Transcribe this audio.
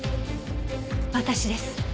私です。